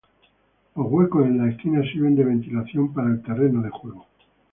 Los huecos en las esquinas sirven de ventilación para el terreno de juego.